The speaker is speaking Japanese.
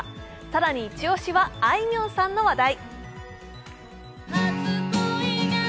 更にイチ押しはあいみょんさんの話題。